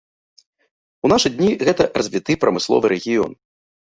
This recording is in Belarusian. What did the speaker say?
У нашы дні гэта развіты прамысловы рэгіён.